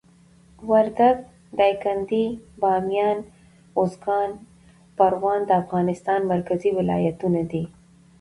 وردګ، دایکندي، بامیان، اروزګان، پروان د افغانستان مرکزي ولایتونه دي.